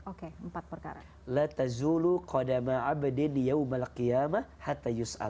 oke empat perkara